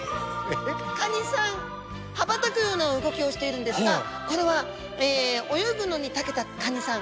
カニさん羽ばたくような動きをしているんですがこれは泳ぐのにたけたカニさん。